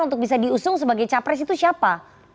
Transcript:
untuk bisa diusung sebagai capres itu siapa